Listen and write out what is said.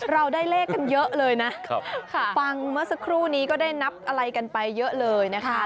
เราได้เลขกันเยอะเลยนะฟังเมื่อสักครู่นี้ก็ได้นับอะไรกันไปเยอะเลยนะคะ